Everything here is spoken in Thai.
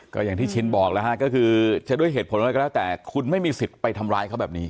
ก็อย่างที่ชินบอกแล้วฮะก็คือจะด้วยเหตุผลอะไรก็แล้วแต่คุณไม่มีสิทธิ์ไปทำร้ายเขาแบบนี้